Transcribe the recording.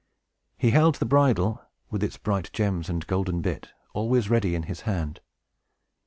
He held the bridle, with its bright gems and golden bit, always ready in his hand.